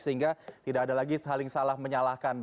sehingga tidak ada lagi hal yang salah menyalahkan